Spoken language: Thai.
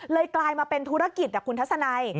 กลายมาเป็นธุรกิจคุณทัศนัย